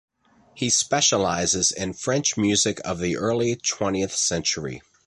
He specialises in French music of the early twentieth century.